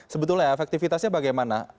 sebetulnya efektivitasnya bagaimana